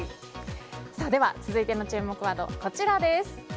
続いての注目ワードはこちらです。